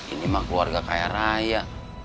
ini mah keluarga kaya raya